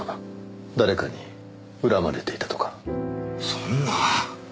そんな！